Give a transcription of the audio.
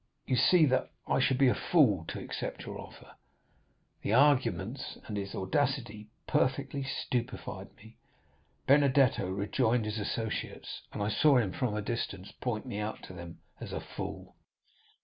You see that I should be a fool to accept your offer.' "The arguments, and his audacity, perfectly stupefied me. Benedetto rejoined his associates, and I saw him from a distance point me out to them as a fool."